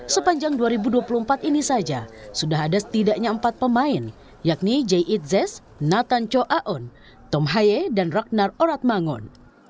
sepanjang dua ribu dua puluh empat ini saja sudah ada setidaknya empat pemain yakni j izez nathan cho aun tomhaye dan ragnar oratmangun